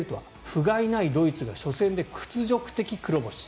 ふがいないドイツが初戦で屈辱的黒星。